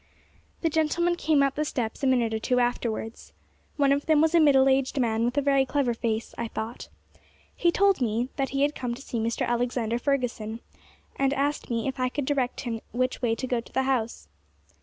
The gentlemen came up the steps a minute or two afterwards. One of them was a middle aged man, with a very clever face, I thought. He told me he had come to see Mr. Alexander Fergusson, and asked me if I could direct him which way to go to the house.